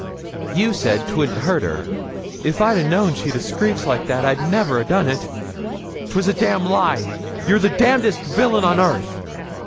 'You said 'twouldn't hurt her. If I'd a known she'd a screeched like that I'd never a done it. 'Twas a damn lie. You're the damndest villain on earth.'